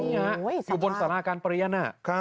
อยู่บนสาราการเปลี่ยน